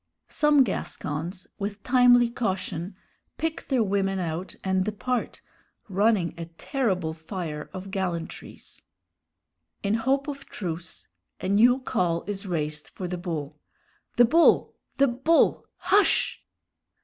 Some Gascons, with timely caution, pick their women out and depart, running a terrible fire of gallantries. In hope of truce, a new call is raised for the bull: "The bull! the bull! hush!"